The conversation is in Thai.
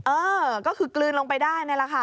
เออก็คือกลืนลงไปได้นี่แหละค่ะ